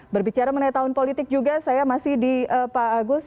berbicara mengenai tahun politik juga saya masih di pak agus